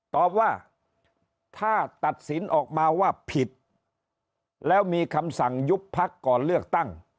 ตอบว่าถ้าตัดสินออกมาว่าผิดแล้วมีคำสั่งยุบพักก่อนเลือกตั้ง